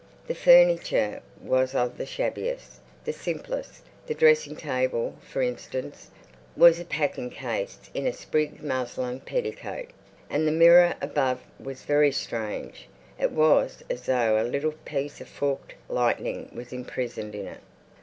The furniture was of the shabbiest, the simplest. The dressing table, for instance, was a packing case in a sprigged muslin petticoat, and the mirror above was very strange; it was as though a little piece of forked lightning was imprisoned in it.